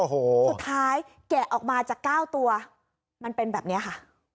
สุดท้ายแกะออกมาจาก๙ตัวมันเป็นแบบนี้ค่ะ